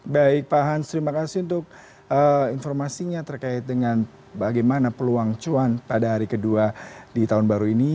baik pak hans terima kasih untuk informasinya terkait dengan bagaimana peluang cuan pada hari kedua di tahun baru ini